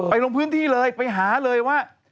ลงพื้นที่เลยไปหาเลยว่า